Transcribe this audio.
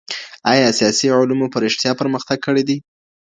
ایا سیاسي علومو په رښتیا پرمختګ کړی دی؟